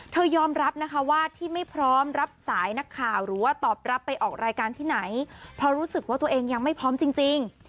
ยอมรับนะคะว่าที่ไม่พร้อมรับสายนักข่าวหรือว่าตอบรับไปออกรายการที่ไหนเพราะรู้สึกว่าตัวเองยังไม่พร้อมจริง